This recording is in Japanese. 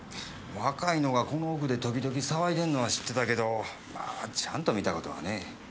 若いのがこの奥で時々騒いでんのは知ってたけどまぁちゃんと見た事はね。